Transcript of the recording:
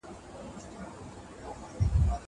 زه هره ورځ قلم استعمالوم.